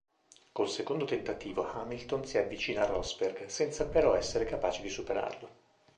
Col secondo tentativo Hamilton si avvicina a Rosberg, senza però essere capace di superarlo.